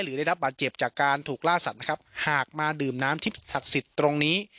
ได้รับบาดเจ็บจากการถูกล่าสัตว์นะครับหากมาดื่มน้ำที่ศักดิ์สิทธิ์ตรงนี้